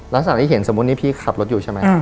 ลักษณะที่เห็นสมมุตินี่พี่ขับรถอยู่ใช่ไหม